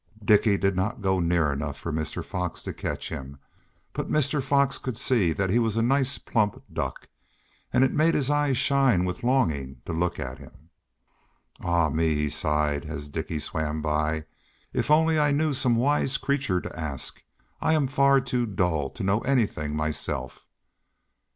Dicky did not go near enough for Mr. Fox to catch him, but Mr. Fox could see that he was a nice plump duck and it made his eyes shine with longing to look at him. "Ah me," he sighed as Dicky swam by, "if only I knew some wise creature to ask! I am far too dull to know anything myself."